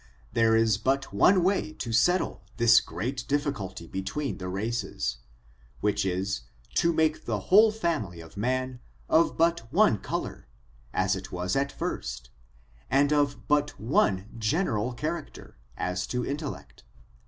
There is but one way to settle this great difficulty between the races, which is, to make the whole fam ily of man, of but one color, as it was at Jirsi^ and of but one general character, as to intellect.